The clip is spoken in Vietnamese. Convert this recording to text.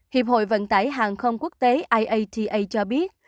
hiệp hội vận tải hàng không quốc tế iata cho biết